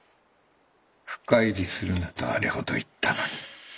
深入りするなとあれほど言ったのに。